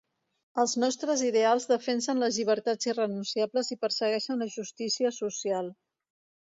Els nostres ideals defensen les llibertats irrenunciables i persegueixen la justícia social.